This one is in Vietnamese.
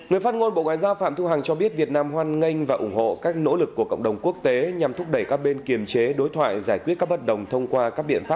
đó là phát biểu được người phát ngôn bộ ngoại giao việt nam phạm thu hằng đưa ra tại cuộc họp báo thường kỳ vào ngày hôm nay